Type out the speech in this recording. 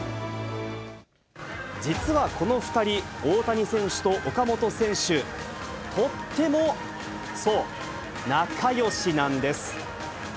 実はこの２人、大谷選手と岡本選手、とってもそう、仲よしなんです。